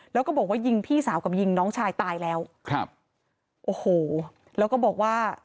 แล้วก็บอกว่ายิงพี่สาวกับยิงน้องชายตายแล้วครับโอ้โหแล้วก็บอกว่า